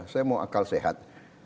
saya mau akal sehat